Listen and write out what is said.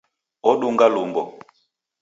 Odunga lumbo